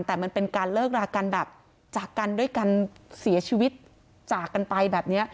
แต่มันเป็นการเลิกรากันแบบจากกันด้วยกันเสียชีวิตจากกันไปแบบนี้